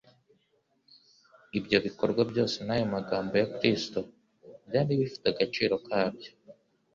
Ibyo bikorwa byose n'ayo magambo ya Kristo byari bifite agaciro kabyo,